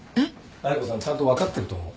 妙子さんちゃんと分かってると思う。